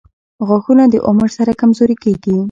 • غاښونه د عمر سره کمزوري کیږي.